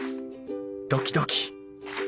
ドキドキ！